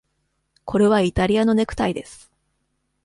これはイタリアのネクタイです。